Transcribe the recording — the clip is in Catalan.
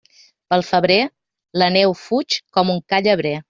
Pel febrer, la neu fuig com un ca llebrer.